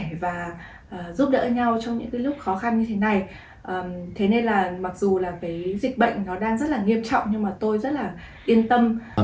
thế nên là mặc dù dịch bệnh nó đang rất là nghiêm trọng nhưng mà tôi rất là yên tâm